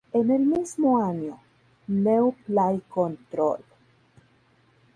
En el mismo año, "New Play Control!